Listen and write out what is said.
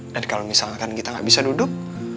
dan kalau misalkan kita gak bisa duduk